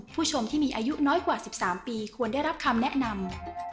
ผู้ชมที่มีอายุน้อยกว่า๑๓ปีควรได้รับคำแนะนำ